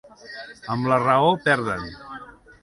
Amb la raó, perden.